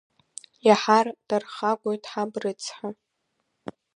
Иаҳар дархагоит ҳаб рыцҳа…